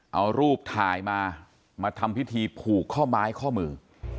เอารูปถ่ายมามาทำพิธีผูกข้อไม้ข้อมือ